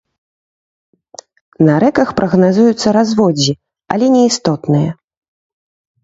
На рэках прагназуюцца разводдзі, але неістотныя.